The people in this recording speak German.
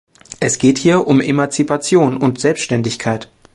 Es geht hier um Emanzipation und Selbstständigkeit.